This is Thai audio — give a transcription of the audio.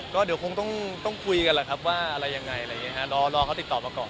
ก็เดี๋ยวคงต้องคุยกันแหละครับว่าอะไรยังไงอะไรอย่างนี้ฮะรอเขาติดต่อมาก่อน